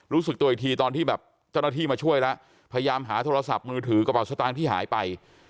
รู้สึกตัวอีกทีตอนที่แบบเจ้าหน้าที่มาช่วยแล้วพยายามหาโทรศัพท์มือถือกระเป๋าสตางค์ที่หายไป